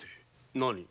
何？